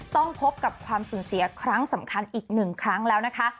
ต้องพบกับความสูญเสียครั้งสำคัญอีกหนึ่งครั้งแล้วนะคะ